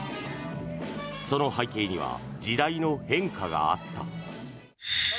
その背景には時代の変化があった。